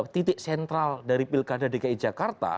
titik sentral dari pilkada dki jakarta